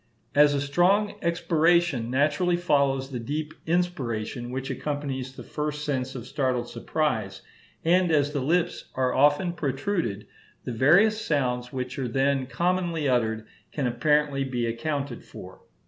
As a strong expiration naturally follows the deep inspiration which accompanies the first sense of startled surprise, and as the lips are often protruded, the various sounds which are then commonly uttered can apparently be accounted for.